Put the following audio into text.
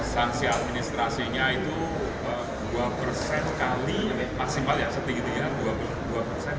sanksi administrasinya itu dua kali maksimal ya setinggi tinggian